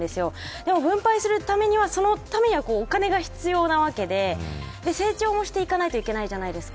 でも分配するためにはお金が必要なわけで成長もしていかないといけないじゃないですか。